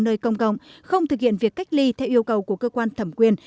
nơi công cộng không thực hiện việc cách ly theo yêu cầu của cơ quan thẩm quyền